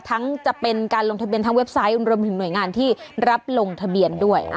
จะเป็นการลงทะเบียนทั้งเว็บไซต์รวมถึงหน่วยงานที่รับลงทะเบียนด้วย